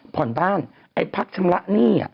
ผ่อนบ้านไอ้พักชำระหนี้